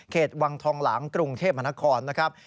วังทองหลางกรุงเทพมนครนะครับ